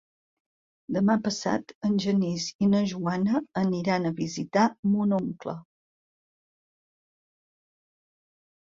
Demà passat en Genís i na Joana aniran a visitar mon oncle.